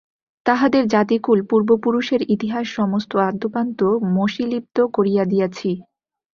তাহাদের জাতিকুল পূর্বপুরুষের ইতিহাস সমস্ত আদ্যোপান্ত মসীলিপ্ত করিয়া দিয়াছি।